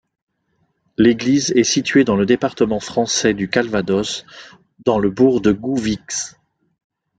L'église est située dans le département français du Calvados, dans le bourg de Gouvix.